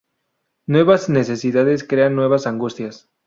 Nuevas necesidades crean nuevas angustias.